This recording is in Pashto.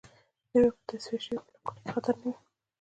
دوی ته به په تصفیه شویو بلاکونو کې خطر نه وي